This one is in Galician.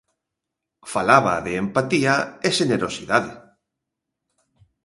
Falaba de empatía e xenerosidade.